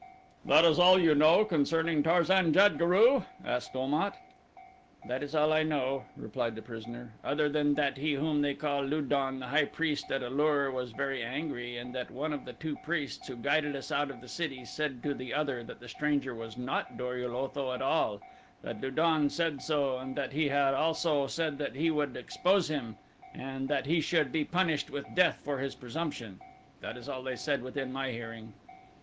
"That is all you know concerning Tarzan jad guru?" asked Om at. "That is all I know," replied the prisoner, "other than that he whom they call Lu don, the high priest at A lur, was very angry, and that one of the two priests who guided us out of the city said to the other that the stranger was not Dor ul Otho at all; that Lu don had said so and that he had also said that he would expose him and that he should be punished with death for his presumption. That is all they said within my hearing.